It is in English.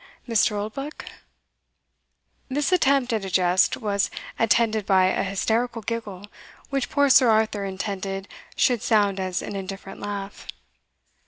he! eh, Mr. Oldbuck?" This attempt at a jest was attended by a hysterical giggle, which poor Sir Arthur intended should sound as an indifferent laugh.